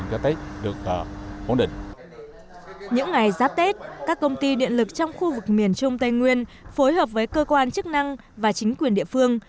những ngày giáp tết các công ty điện lực trong khu vực miền trung tây nguyên phối hợp với cơ quan chức năng và chính quyền địa phương